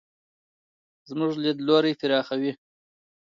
زموږ لیدلوری پراخوي.